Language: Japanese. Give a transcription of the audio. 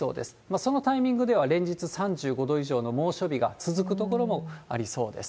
そのタイミングでは連日３５度以上の猛暑日が続く所もありそうです。